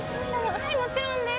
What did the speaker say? はいもちろんです。